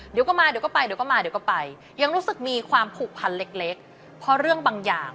สู่ผันเล็กเพราะเรื่องบางอย่าง